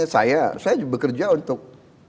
saya bekerja untuk